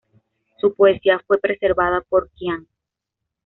Su poesía fue preservada por Qian.